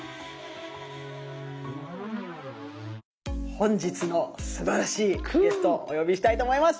本日のすばらしいゲストをお呼びしたいと思います！